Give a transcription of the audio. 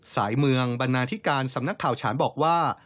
สายเมืองบรรณาธิการสำนักข่าวฉานบอกว่า